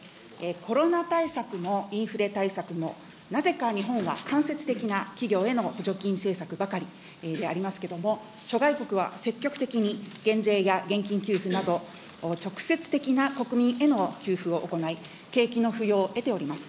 コロナ対策も、インフレ対策も、なぜか日本は間接的な企業への政策ばかりでありますけれども、諸外国は積極的に、減税や現金給付など、直接的な国民への給付を行い、景気の浮揚を得ております。